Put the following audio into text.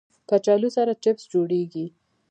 کچالو سره چپس جوړېږي